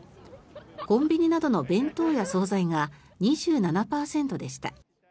コンビニなどの弁当や総菜が２７％でした。